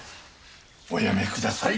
おやめください。